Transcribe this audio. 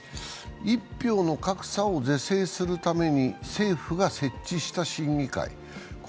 一票の格差を是正するために政府が設置した審議会。